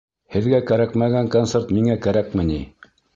Һеҙгә кәрәкмәгән концерт миңә кәрәкме ни?